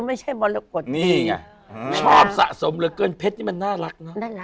ไม่ใช่มรกฏชอบสะสมเรือนเกิ้นเพชรน่ารัก